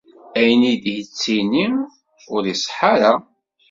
Ayen ay d-yettini ur iṣeḥḥa ara.